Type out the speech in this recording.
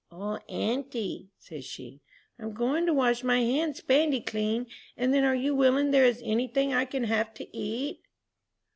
"O auntie," said she, "I'm going to wash my hands spandy clean, and then are you willing there is any thing I can have to eat?"